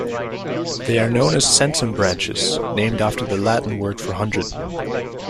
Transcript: They are known as "centum" branches, named after the Latin word for "hundred".